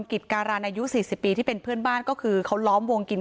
กิจการันอายุ๔๐ปีที่เป็นเพื่อนบ้านก็คือเขาล้อมวงกิน